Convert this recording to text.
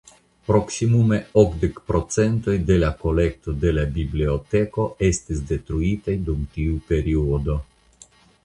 Proksimume okdek procentoj de la kolekto de la biblioteko estis detruitaj dum tiu periodo.